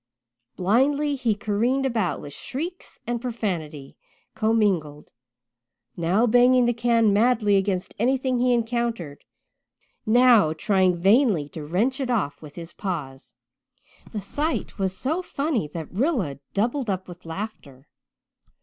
Blindly he careered about with shrieks and profanity commingled, now banging the can madly against anything he encountered, now trying vainly to wrench it off with his paws. The sight was so funny that Rilla doubled up with laughter.